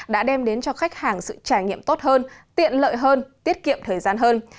đã đem đến cho khách hàng sự trải nghiệm tốt hơn tiện lợi hơn tiết kiệm thời gian hơn